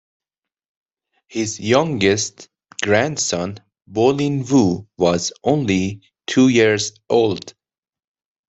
His youngest grandson, Bolin Wu, was only two years old.